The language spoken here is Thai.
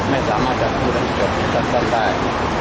ไม่สามารถจะพูดกันจบอย่างสำคัญได้